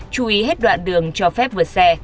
chú ý hết đoạn đường cho phép vượt xe